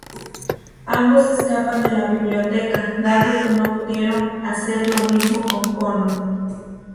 Ambos escapan de la biblioteca, dado que no pudieron hacer lo mismo con Connor.